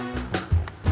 ini lu pake